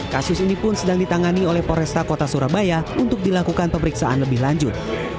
kasus ini pun sedang ditangani oleh poresta kota surabaya untuk dilakukan pemeriksaan lebih lanjut